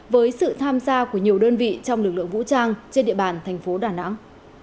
với sự tham gia của nhiều đơn vị trong lực lượng vũ trang trên địa bàn thành phố đà nẵng